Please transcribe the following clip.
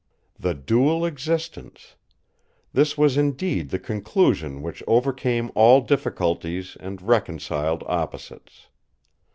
The dual existence! This was indeed the conclusion which overcame all difficulties and reconciled opposites.